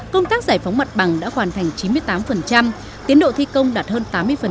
công tác giải phóng mặt bằng đã hoàn thành chín mươi tám tiến độ thi công đạt hơn tám mươi